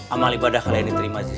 amal ibadah kalian ini terima kasih